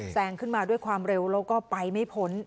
ขึ้นมาด้วยความเร็วแล้วก็ไปไม่พ้น